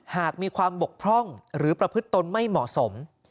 หากมีความบกพร่องหรือประพฤติตนไม่เหมาะสม